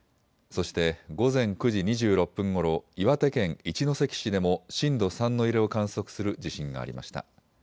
そして午前９時２６分ごろ岩手県一関市でも震度３の揺れを観測する地震がありました。